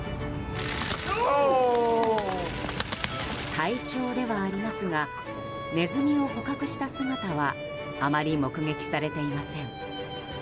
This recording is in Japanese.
隊長ではありますがネズミを捕獲した姿はあまり目撃されていません。